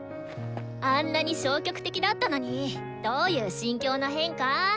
あんなに消極的だったのにどういう心境の変化？